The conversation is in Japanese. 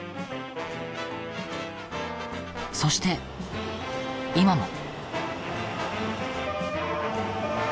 そして今も。